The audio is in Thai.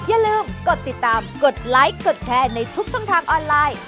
อย่าลืมกดติดตามกดไลค์กดแชร์ในทุกช่องทางออนไลน์